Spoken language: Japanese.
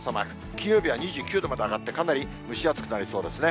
金曜日は２９度まで上がって、かなり蒸し暑くなりそうですね。